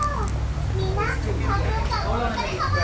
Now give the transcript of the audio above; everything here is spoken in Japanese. みんな３分間お疲れさま！